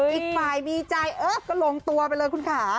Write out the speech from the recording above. อีกฝ่ายมีใจเออก็ลงตัวไปเลยคุณค่ะ